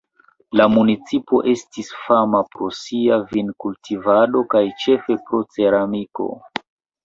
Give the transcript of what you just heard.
La municipo estis fama pro sia vinkultivado kaj ĉefe pro ceramiko.